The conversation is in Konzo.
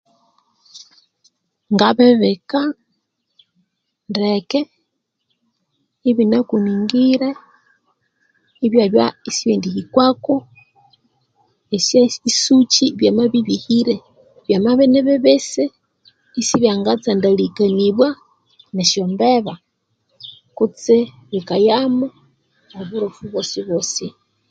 Ngabibika ndeke ibina kuningire ibyabya isibyangahikwako esisukyi byamabya ibihire, byamabya inibibisi isibyangatsandalikanibwa nesyombeba kutse bikayamu oburofu bwosibwosi.